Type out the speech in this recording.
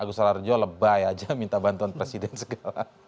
agusra harjo lebay aja minta bantuan presiden segala